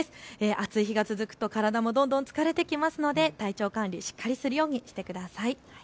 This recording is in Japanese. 暑い日が続くと体もどんどん疲れてきますので体調管理、しっかりするようにしてください。